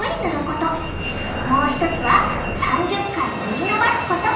もう一つは３０回塗り伸ばすこと。